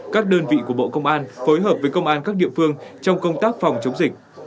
các đơn vị của bộ công an phối hợp với công an các địa phương trong công tác phòng chống dịch